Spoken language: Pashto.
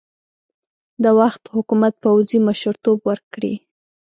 د وخت حکومت پوځي مشرتوب ورکړي.